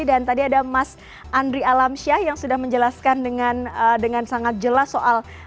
dan tadi ada mas andri alamsyah yang sudah menjelaskan dengan sangat jelas soal